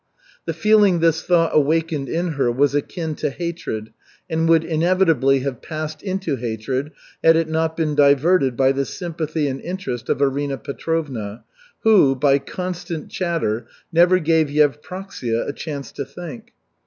The feeling this thought awakened in her was akin to hatred and would inevitably have passed into hatred had it not been diverted by the sympathy and interest of Arina Petrovna, who, by constant chatter, never gave Yevpraksia a chance to think.